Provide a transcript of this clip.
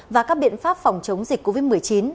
và các biện pháp phòng chống dịch covid một mươi chín